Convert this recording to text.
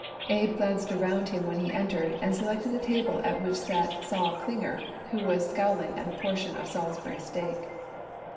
Abe glanced around him when he entered and selected a table at which sat Sol Klinger, who was scowling at a portion of Salisbury steak.